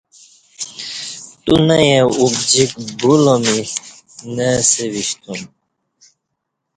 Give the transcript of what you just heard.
تو نہ ئیں ابجیک بو لہ می نہ اسہ وشتوم